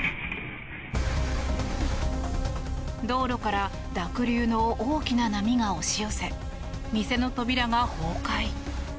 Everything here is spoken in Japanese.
道路から濁流の大きな波が押し寄せ、店の扉が崩壊。